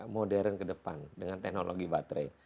modern ke depan dengan teknologi baterai